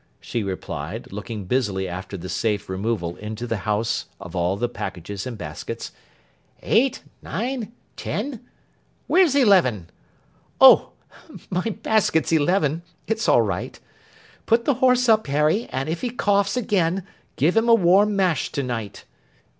she replied, looking busily after the safe removal into the house of all the packages and baskets: 'eight, nine, ten—where's eleven? Oh! my basket's eleven! It's all right. Put the horse up, Harry, and if he coughs again give him a warm mash to night.